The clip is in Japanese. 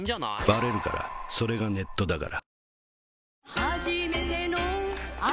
「バレるからそれがネットだから」